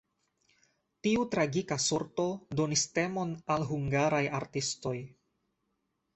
Tiu tragika sorto donis temon al hungaraj artistoj.